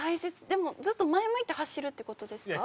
でもずっと前向いて走るって事ですか？